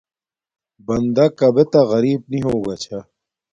بندہ کابے تہ غریپ نی ہوگا چھا